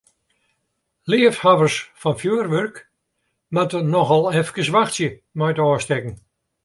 Leafhawwers fan fjurwurk moatte noch al efkes wachtsje mei it ôfstekken.